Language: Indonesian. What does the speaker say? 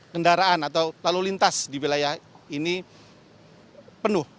kendaraan atau lalu lintas di wilayah ini penuh